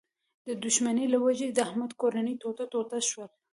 د دوښمنۍ له و جې د احمد کورنۍ ټوټه ټوټه شوله.